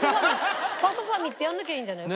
ファソファミってやんなきゃいいんじゃない？